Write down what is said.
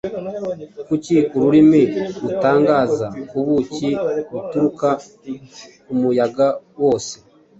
Kuki Ururimi rutangaza ubuki buturuka kumuyaga wose?